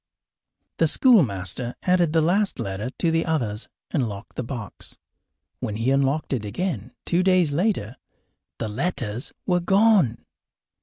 The schoolmaster added the last letter to the others and locked the box. When he unlocked it again, two days later, the letters were gone.